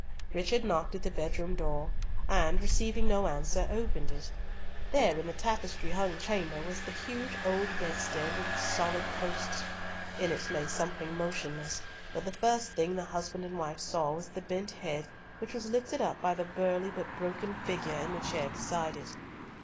Richard knocked at the bedroom door, and, receiving no answer, opened it. There in the tapestry hung chamber was the huge old bedstead with its solid posts. In it lay something motionless, but the first thing the husband and wife saw was the bent head which was lifted up by the burly but broken figure in the chair beside it.